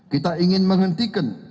kita ingin menghentikan